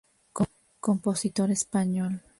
Compositor español.